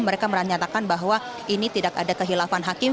mereka menyatakan bahwa ini tidak ada kehilafan hakim